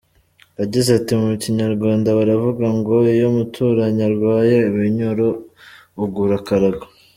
Yagize ati “Mu kinyarwanda baravuga ngo iyo umuturanyi arwaye ibinyoro ugura akarago.